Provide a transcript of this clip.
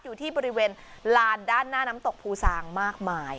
อยู่ที่บริเวณลานด้านหน้าน้ำตกภูซางมากมาย